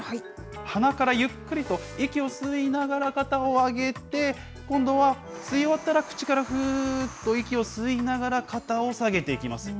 鼻からゆっくりと、息を吸いながら肩を上げて、今度は、吸い終わったら口からふーっと息を吸いながら肩を下げていきます。